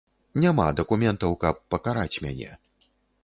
Няма дакументаў, каб пакараць мяне.